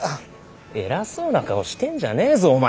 偉そうな顔してんじゃねえぞお前。